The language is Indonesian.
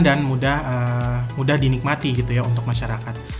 dan mudah dinikmati untuk masyarakat